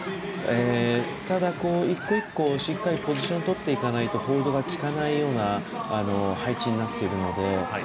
ただ、一個一個しっかりポジションをとっていかないとホールドがきかないような配置になっているので。